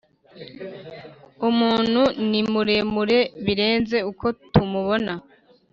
umuntu ni muremure birenze uko tumubona